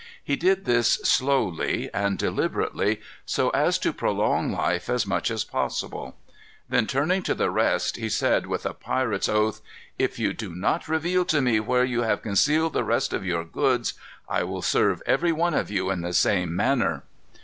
He did this slowly and deliberately, so as to prolong life as much as possible. Then, turning to the rest, he said, with a pirate's oath: "If you do not reveal to me where you have concealed the rest of your goods, I will serve every one of you in the same manner."